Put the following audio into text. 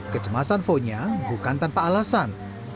kecemasan fonya bukan tanpa alasan